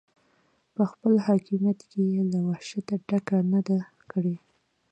په خپل حاکمیت کې یې له وحشته ډډه نه ده کړې.